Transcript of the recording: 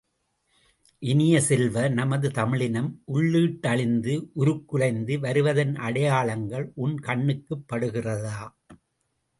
இனிய செல்வ, நமது தமிழினம் உள்ளீடழிந்து உருக்குலைந்து வருவதன் அடையாளங்கள் உன் கண்ணுக்குப் படுகிறதா?